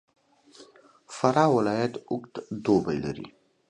فراه ولایت اوږد دوبی لري.